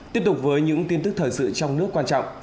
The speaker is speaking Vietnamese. tiếp tục với những tin tức thời sự trong nước quan trọng